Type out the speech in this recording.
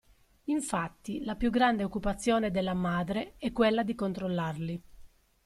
Infatti, la più grande occupazione della madre è quella di controllarli.